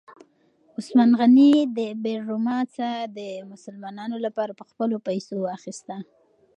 عثمان غني د بئر رومه څاه د مسلمانانو لپاره په خپلو پیسو واخیسته.